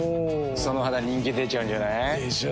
その肌人気出ちゃうんじゃない？でしょう。